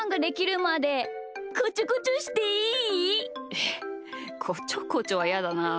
えっこちょこちょはやだな。